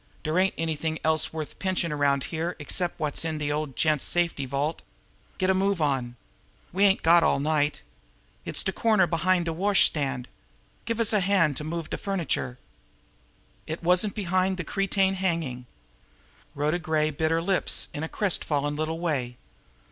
Dere ain't anything else worth pinchin' around here except wot's in de old gent's safety vault. Get a move on! We ain't got all night! It's de corner behind de washstand. Give us a hand to move de furniture!" It wasn't here behind the cretonne hanging! Rhoda Gray bit her lips in a crestfallen little way.